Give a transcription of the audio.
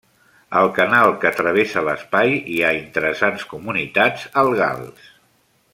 Al canal que travessa l'espai hi ha interessants comunitats algals.